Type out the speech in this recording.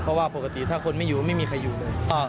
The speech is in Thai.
เพราะว่าปกติถ้าคนไม่อยู่ไม่มีใครอยู่เลย